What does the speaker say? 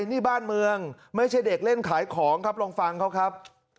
นี่บ้านเมืองไม่ใช่เด็กเล่นขายของครับลองฟังเขาครับ